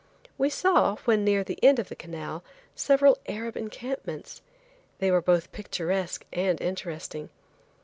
We saw, when near the end of the canal, several Arab encampments. They were both picturesque and interesting.